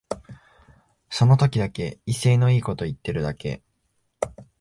その時だけ威勢のいいこと言ってるだけ